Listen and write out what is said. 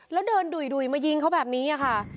แล้วเดินดุยมายิงเขาแบบนี้ค่ะ